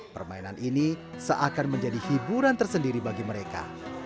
permainan ini seakan menjadi hiburan tersendiri bagi mereka